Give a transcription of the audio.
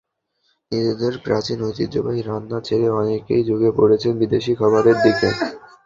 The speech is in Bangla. নিজেদের প্রাচীন, ঐতিহ্যবাহী রান্না ছেড়ে অনেকেই ঝুঁকে পড়ছিলেন বিদেশি খাবারের দিকে।